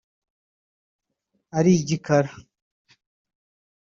ari igikara